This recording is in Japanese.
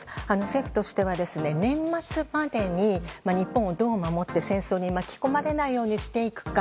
政府としては年末までに日本をどう守って戦争に巻き込まれないようにしていくか。